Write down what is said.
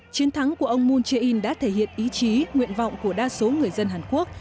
chiến thắng của ông moon jae in đã thể hiện ý chí nguyện vọng của đa số người dân hàn quốc